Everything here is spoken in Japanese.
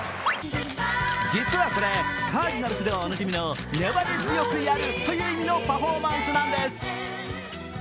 実はこれ、カージナルスではおなじみの粘り強くやるという意味のパフォーマンスなんです。